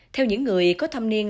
theo những người có thăm niên